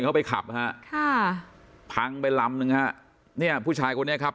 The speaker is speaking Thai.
เข้าไปขับฮะค่ะพังไปลำนึงฮะเนี่ยผู้ชายคนนี้ครับ